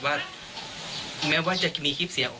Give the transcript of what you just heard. ว่าแม้ว่าจะมีคลิปเสียง